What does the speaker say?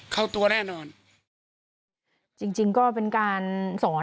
เข้าตัวแน่นอนจริงจริงก็เป็นการสอน